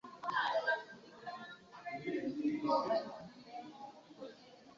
La oklatera formo de la abatejo estas unika.